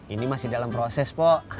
ini masih dalam proses pak